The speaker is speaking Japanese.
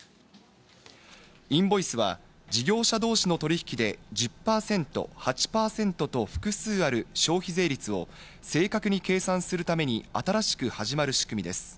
インボイスは、事業者同士の取引で１０％、８％と複数ある消費税率を正確に計算するために新しく始まる仕組みです。